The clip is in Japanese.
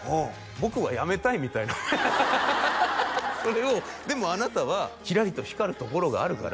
「僕はやめたい」みたいなそれを「でもあなたはキラリと光るところがあるから」